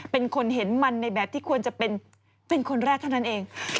เป็นคนเห็นมันในแบบที่ควรจะเป็นคนแรกเท่านั้นเอง